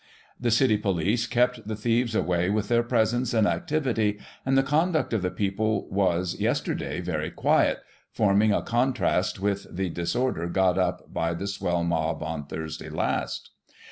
The City police kept the thieves away by their presence and activity, and the conduct of the people was, yesterday, very quiet, forming a contrast with the disorder got up by the swell mob on Thursday last.